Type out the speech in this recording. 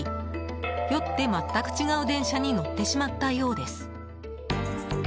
酔って、全く違う電車に乗ってしまったようです。